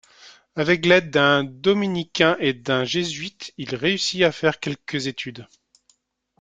Avec l'aide d'un dominicain et d'un jésuite, il réussit à faire quelques études.